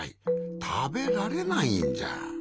たべられないんじゃ。